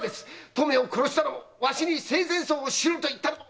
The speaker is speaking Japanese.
とめを殺したのもわしに生前葬をしろと言ったのも！